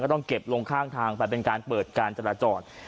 ต้องเก็บลงข้างทางไปเป็นการเปิดการจราจร